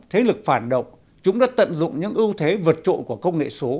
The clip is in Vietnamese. thế lực phản động chúng đã tận dụng những ưu thế vật trộn của công nghệ số